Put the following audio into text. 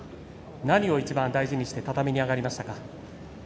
何を一番大事にして畳に上がりましたか。